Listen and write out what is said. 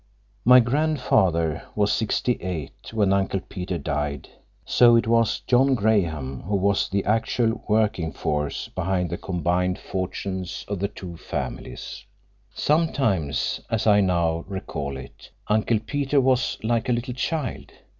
My grandfather was sixty eight when Uncle Peter died, so it was John Graham who was the actual working force behind the combined fortunes of the two families. Sometimes, as I now recall it, Uncle Peter was like a little child.